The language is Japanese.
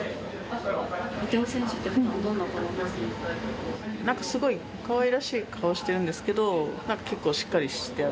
伊藤選手って、なんかすごい、かわいらしい顔してるんですけど、なんか結構しっかりしてる。